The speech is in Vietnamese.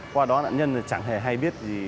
qua đó nạn nhân chẳng hề hay biết gì